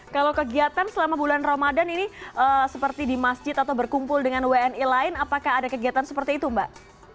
kalau kegiatan selama bulan ramadan ini seperti di masjid atau berkumpul dengan wni lain apakah ada kegiatan seperti itu mbak